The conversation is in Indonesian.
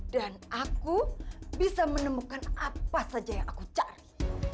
dan aku bisa menemukan apa saja yang aku cari